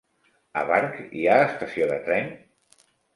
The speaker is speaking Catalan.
A Barx hi ha estació de tren?